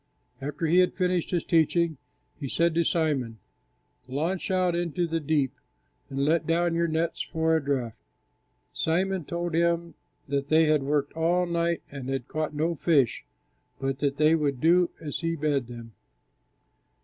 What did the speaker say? After He had finished His teaching, He said to Simon, "Launch out into the deep and let down your nets for a draught." Simon told Him that they had worked all night and had caught no fish, but that they would do as He bade them.